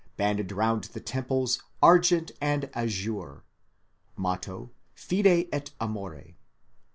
^ banded round the temples ar. and az. Motto : Fide et amore.